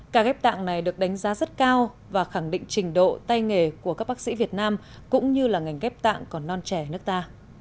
ca ghép tạng này được đánh giá rất cao và khẳng định trình độ tay nghề của các bác sĩ việt nam cũng như là ngành ghép tạng còn non trẻ nước ta